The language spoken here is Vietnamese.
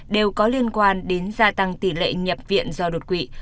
đều có liên quan đến gia tăng tỷ lệ nhập viện do đột quỵ